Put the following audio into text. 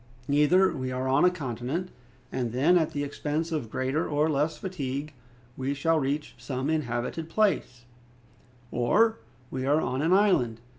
Either we are on a continent, and then, at the expense of greater or less fatigue, we shall reach some inhabited place, or we are on an island.